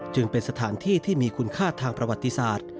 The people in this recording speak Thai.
จึงเป็นสถานที่ที่มีคุณค่าทางประวัติศาสตร์